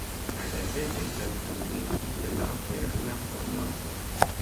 La gazeto estas publikigita laŭ berlina formato.